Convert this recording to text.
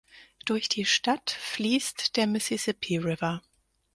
Durch die Stadt fließt der Mississippi River.